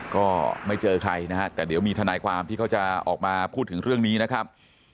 ก็ไม่เจอใครนะฮะแต่เดี๋ยวมีทนายความที่เขาจะออกมาพูดถึงเรื่องนี้นะครับ